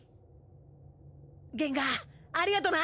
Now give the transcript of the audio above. ゲンガーありがとな。